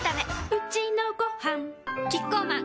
うちのごはんキッコーマン